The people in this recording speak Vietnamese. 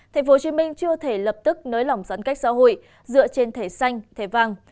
tp hcm chưa thể lập tức nới lỏng giãn cách xã hội dựa trên thẻ xanh thẻ vàng